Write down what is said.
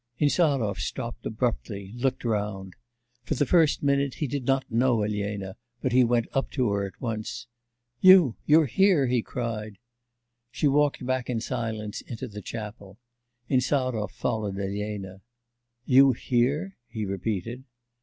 Insarov stopped abruptly, looked round.... For the first minute he did not know Elena, but he went up to her at once. 'You! you here!' he cried. She walked back in silence into the chapel. Insarov followed Elena. 'You here?' he repeated.